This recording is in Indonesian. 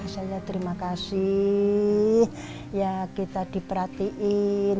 saya terima kasih ya kita diperhatiin